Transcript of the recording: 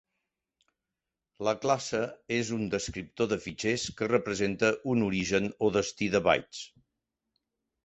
La classe és un descriptor de fitxers que representa un origen o destí de bytes.